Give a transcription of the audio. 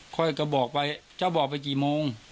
ค่อยกระบอกไปเจ้าบอกไปกี่โมง